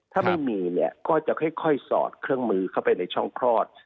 ถ้าไม่มีเนี่ยก็จะค่อยสอดเครื่องมือเข้าไปในช่องคลอด